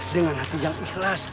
dengan hati yang ikhlas